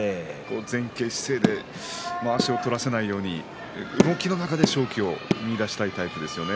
前傾姿勢でまわしを取らせないように動きの中で勝機を見いだしたいタイプですよね。